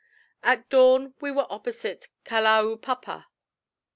At dawn we were opposite Kalaupapa.